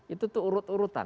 itu tuh urut urutan